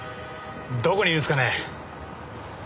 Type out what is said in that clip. どこにいるんすかね？